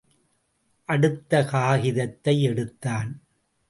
அடுத்த காகிதத்தை எடுத்தான்.